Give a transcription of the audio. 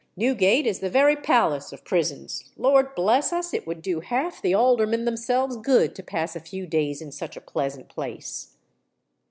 Newgate is the very palace of prisons. Lord bless us! it would do half the Aldermen themselves good to pass a few days in such a pleasant place."